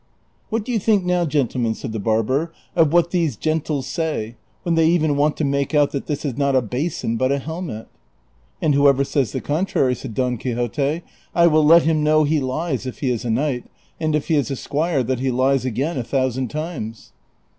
' What do you think now^ gentlemen," said the barber, " of what these gentles say, when they even want to make out that this is not a basin but a helmet ?"<' And Avhoever says the contrary," said Don Quixote, " I will let him know he lies if he is a knight, and if he is a squire that he lies again a thousand times."